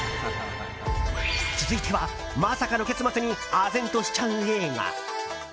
続いては、まさかの結末にあぜんとしちゃう映画。